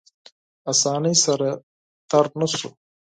اسانۍ سره تېر نه شو.